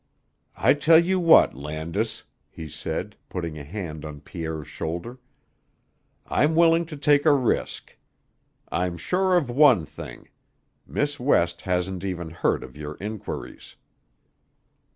"I tell you what, Landis," he said, putting a hand on Pierre's shoulder. "I'm willing to take a risk. I'm sure of one thing. Miss West hasn't even heard of your inquiries."